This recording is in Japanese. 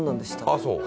ああそう？